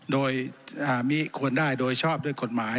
โดยมิควรได้โดยชอบด้วยกฎหมาย